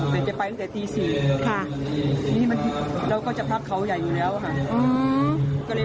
แล้วที่ที่หมดเขียนคือ